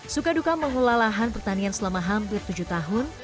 suka duka mengulalahan pertanian selama hampir tujuh tahun